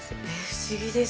不思議です。